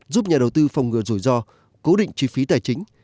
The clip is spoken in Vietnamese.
giúp nhà đầu tư phòng ngừa rủi ro cố định chi phí tài chính